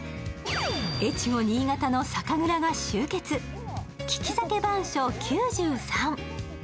越後新潟の酒蔵が集結、利き酒番所９３。